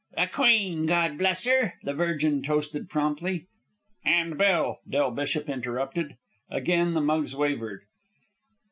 "The Queen, Gawd bless 'er!" the Virgin toasted promptly. "And Bill!" Del Bishop interrupted. Again the mugs wavered.